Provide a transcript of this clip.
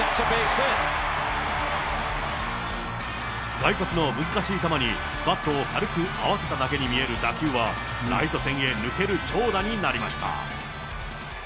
外角の難しい球にバットを軽く合わせただけに見える打球は、ライト線へ抜ける長打になりました。